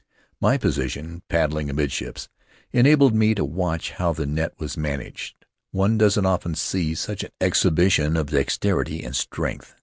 My position, paddling amid ships, enabled me to watch how the net was managed — one doesn't often see such an exhibition of dexterity and strength.